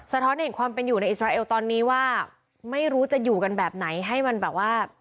ท้อนเห็นความเป็นอยู่ในอิสราเอลตอนนี้ว่าไม่รู้จะอยู่กันแบบไหนให้มันแบบว่า